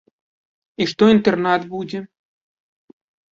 І што інтэрнат будзе.